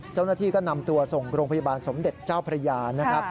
เจ้าหน้าที่ก็นำตัวส่งโรงพยาบาลสมเด็จเจ้าพระยานะครับ